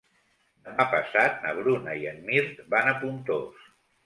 Demà passat na Bruna i en Mirt van a Pontós.